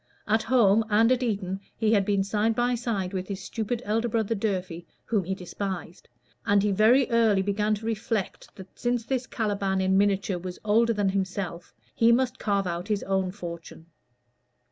At home and at Eton he had been side by side with his stupid elder brother Durfey, whom he despised; and he very early began to reflect that since this Caliban in miniature was older than himself, he must carve out his own fortune.